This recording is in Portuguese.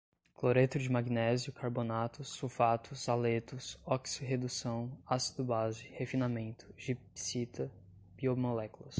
cloreto de magnésio, carbonatos, sulfatos, haletos, oxi-redução, ácido-base, refinamento, gipsita, biomoléculas